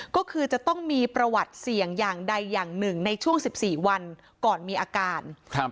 ก็คือจะต้องมีประวัติเสี่ยงอย่างใดอย่างหนึ่งในช่วง๑๔วันก่อนมีอาการ